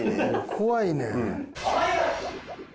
怖いねん。